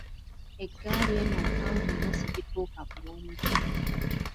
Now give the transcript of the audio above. Egaali eno mpanvu nnyo sigituuka bulungi.